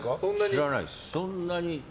知らないです。